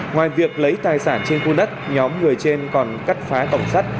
ngoài việc lấy tài sản trên khu đất nhóm người trên còn cắt phá cổng sắt